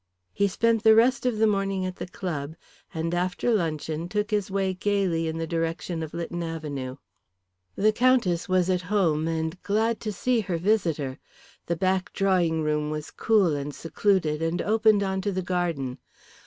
He spent the rest of the morning at the club, and after luncheon took his way gaily in the direction of Lytton Avenue. The Countess was at home, and glad to see her visitor. The back drawing room was cool and secluded and opened on to the garden.